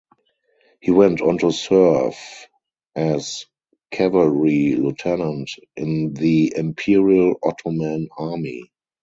He went onto serve as Cavalry Lieutenant in the imperial Ottoman army.